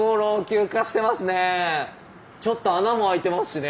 ちょっと穴も開いてますしね。